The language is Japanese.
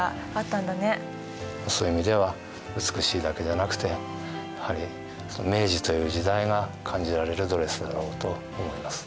そういう意味では美しいだけじゃなくてやはり明治という時代が感じられるドレスだろうと思います。